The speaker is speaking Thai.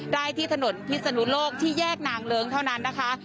ได้ที่ถนนพิศนุโลกที่แยกนางเลิ้งเท่านั้นนะคะ